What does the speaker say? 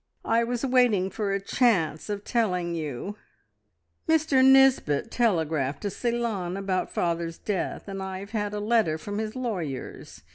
"I was waiting for a chance of telling you. Mr Nisbet telegraphed to Ceylon about father's death, and I've had a letter from his lawyers.